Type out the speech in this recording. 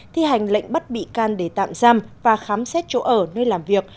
thi hành lệnh bắt bị can để tạm giam và khám xét chỗ ở nơi làm việc